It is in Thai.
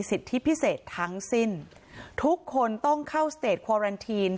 สิทธิพิเศษทั้งสิ้นทุกคนต้องเข้าสเตจควารันทีน